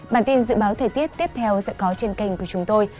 bản tin dự báo thời tiết tiếp theo sẽ có trên kênh của chúng tôi